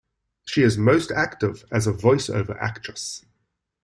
She is most active as a voice-over actress.